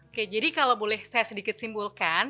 oke jadi kalau boleh saya sedikit simpulkan